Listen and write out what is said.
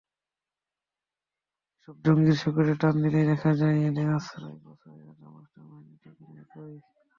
এসব জঙ্গির শেকড়ে টান দিলেই দেখা যায়, এদের আশ্রয়-প্রশ্রয়দাতা, মাস্টারমাইন্ডের ঠিকানা একই।